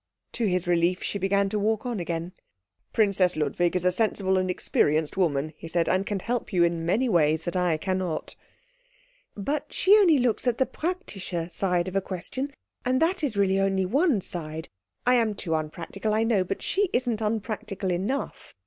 To his relief she began to walk on again. "Princess Ludwig is a sensible and experienced woman," he said, "and can help you in many ways that I cannot." "But she only looks at the praktische side of a question, and that is really only one side. I am too unpractical, I know, but she isn't unpractical enough.